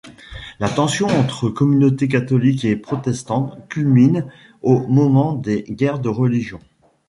La tension entre communautés catholiques et protestantes culmine au moment des Guerres de Religion.